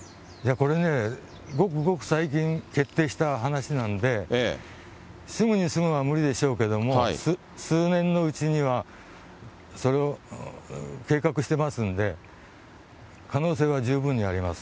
これね、ごくごく最近決定した話なんで、すぐにするのは無理でしょうけど、数年のうちには、それを計画していますんで、可能性は十分にあります。